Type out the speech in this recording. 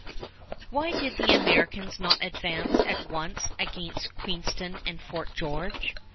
Why did the Americans not advance at once against Queenston and Fort George?